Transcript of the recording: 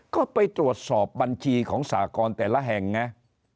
ก็ไปตรวจสอบบัญชีของสากรแต่ละแห่งไง